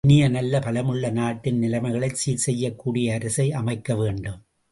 இனிய, நல்ல, பலமுள்ள நாட்டின் நிலைமைகளைச் சீர் செய்யக் கூடிய அரசை அமைக்க வேண்டும்.